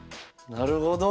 なるほど！